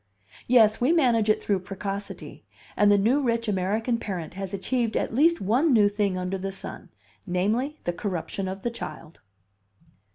Yes, we manage it through precocity, and the new rich American parent has achieved at least one new thing under the sun, namely, the corruption of the child."